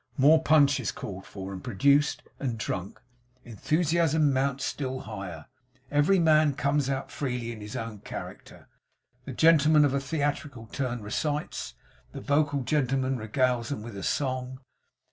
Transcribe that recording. More punch is called for, and produced, and drunk. Enthusiasm mounts still higher. Every man comes out freely in his own character. The gentleman of a theatrical turn recites. The vocal gentleman regales them with a song.